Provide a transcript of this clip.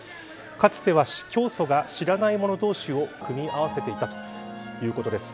かつては教祖が知らない者同士を組み合わせていたということです。